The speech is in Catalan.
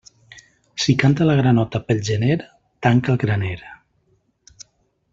Si canta la granota pel gener, tanca el graner.